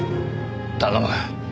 頼む。